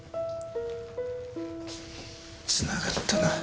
つながったな。